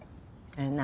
何？